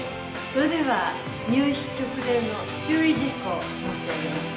それでは入試直前の注意事項申し上げます。